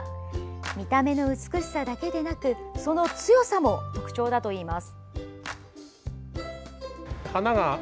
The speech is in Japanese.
見た目の美しさだけでなくその強さも特徴だといいます